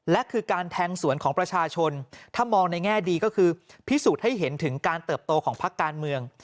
และคือการแทงสวนของประชาชนถ้ามองในแง่ดีก็คือพิสูจน์ให้เห็นถึงการเติบโตของพักการเมือง